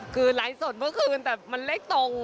คือไลฟ์สดเมื่อคืนแต่มันเลขตรง